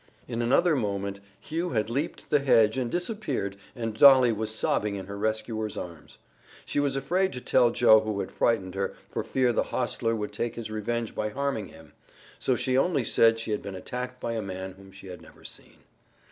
In another moment Hugh had leaped the hedge and disappeared and Dolly was sobbing in her rescuer's arms. She was afraid to tell Joe who had frightened her, for fear the hostler would take his revenge by harming him, so she only said she had been attacked by a man whom she had never seen.